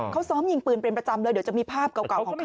เขาซ้อมยิงปืนเป็นประจำเลยเดี๋ยวจะมีภาพเก่าของเขา